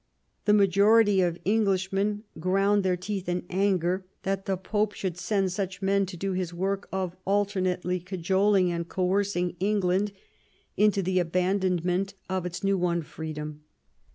The majority of Englishmen ground their teeth in anger that the Pope should send such men to do his work of alternately cajoling and coercing England into the abandonment of its new won freedom.